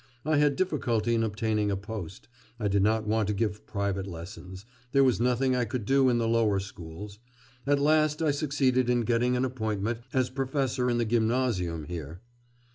I had difficulty in obtaining a post; I did not want to give private lessons; there was nothing I could do in the lower schools. At last I succeeded in getting an appointment as professor in the gymnasium here.